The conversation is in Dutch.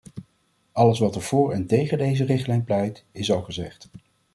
Alles wat er voor en tegen deze richtlijn pleit, is al gezegd.